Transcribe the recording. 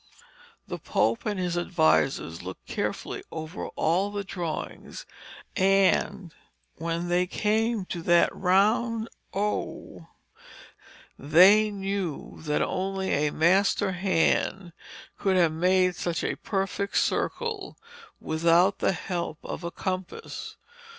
The Pope and his advisers looked carefully over all the drawings, and, when they came to that round O, they knew that only a master hand could have made such a perfect circle without the help of a compass.